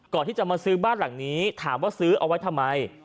ก่อนที่จะมาซื้อบ้านหลังนี้ถามว่าซื้อเอาไว้ทำไม